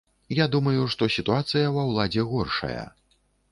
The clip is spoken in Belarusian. Я думаю, што сітуацыя ва ўладзе горшая.